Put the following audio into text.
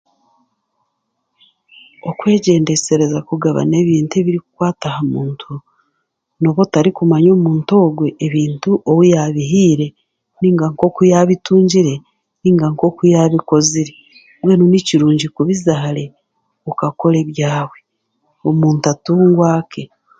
Okwegyendesereza kubagana ebintu ebirikukwata aha muntu n'oba otarikumanya omuntu ogwe ebintu ou yaabihaire nainga nk'oku yaabitungire nainga nk'oku yaabikozire mbwenu nikirungi kubiza hare okukora ebyawe, omuntu atungwa ake